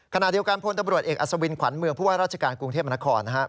ขณะเดียวกันพลตำรวจเอกอัศวินขวัญเมืองผู้ว่าราชการกรุงเทพมนครนะครับ